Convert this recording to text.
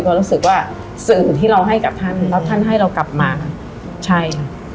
เพื่อไปสื่อตรงนี้